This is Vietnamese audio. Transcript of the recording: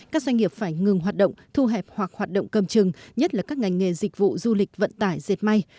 các doanh nghiệp phải ngừng hoạt động thu hẹp hoặc hoạt động cầm chừng nhất là các ngành nghề dịch vụ du lịch vận tải dệt may